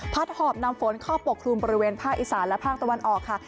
หอบนำฝนเข้าปกคลุมบริเวณภาคอีสานและภาคตะวันออกค่ะ